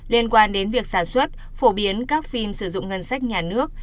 liên quan đến việc sản xuất phổ biến các phim sử dụng ngân sách nhà nước